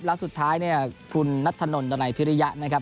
และสุดท้ายคุณนัทธนตร์๒๐๑๔ขณะในพิริยะน่ะครับ